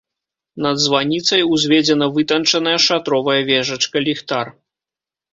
Над званіцай узведзена вытанчаная шатровая вежачка-ліхтар.